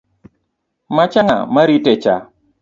Macha ng’a maritecha